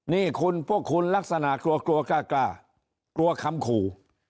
นี่คุณพวกคุณลักษณะกลัวกลัวกล้ากลัวคำขู่